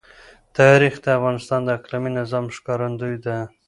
تاریخ د افغانستان د اقلیمي نظام ښکارندوی ده.